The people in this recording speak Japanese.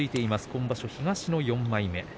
今場所、東の４枚目。